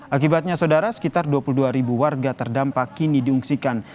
akibatnya saudara sekitar dua puluh dua ribu warga terdampak kini diungsikan